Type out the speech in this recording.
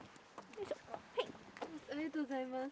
ありがとうございます。